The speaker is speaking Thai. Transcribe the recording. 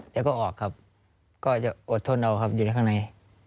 แล้วก็ออกครับก็จะอดทนเอาครับอยู่ในข้างใน